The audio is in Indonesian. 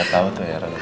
gak tau tuh ya